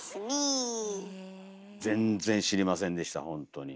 全然知りませんでしたほんとに。